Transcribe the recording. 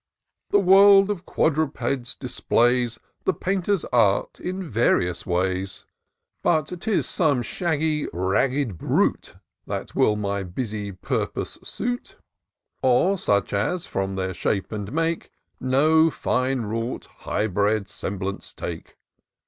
The world of quadrupeds displays The painter's art in various ways ; But, 'tis some shaggy, ragged brute That win my busy purpose suit ; Or such as, from their shape and make No fine wrought, high bred semblance take.